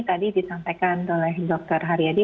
tadi disampaikan oleh dr haryadi